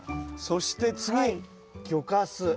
そして次魚かす。